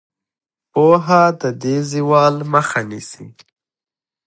پوهه د دې زوال مخه نیسي.